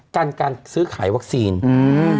กันการซื้อขายวัคซีนอืม